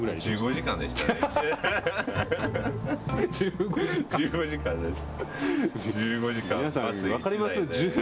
１５時間ですよ。